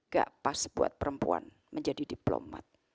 gak pas buat perempuan menjadi diplomat